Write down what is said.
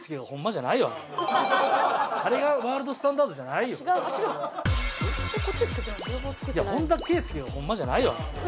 いや本田圭佑がホンマじゃないよ！